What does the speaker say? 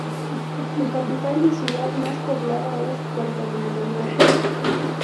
Su capital y ciudad más poblada es Puerto Maldonado.